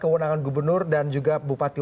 kewenangan gubernur dan juga bupati